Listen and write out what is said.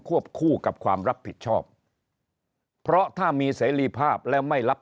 วบคู่กับความรับผิดชอบเพราะถ้ามีเสรีภาพและไม่รับ